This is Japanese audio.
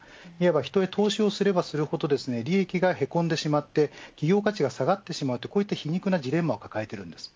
人へ投資をすればするほど利益がへこんでしまって企業価値が下がってしまうという皮肉なジレンマを抱えています。